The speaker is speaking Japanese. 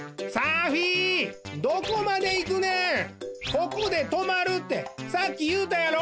ここでとまるってさっきいうたやろ！